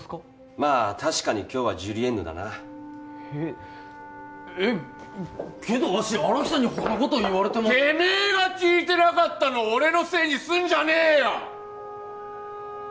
まあ確かに今日はジュリエンヌだなえッけどわし荒木さんにほんなことてめえが聞いてなかったのを俺のせいにすんじゃねえよ！